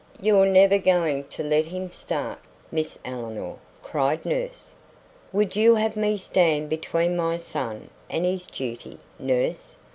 "You're never going to let him start, Miss Eleanor?" cried nurse. "Would you have me stand between my son and his duty, nurse?"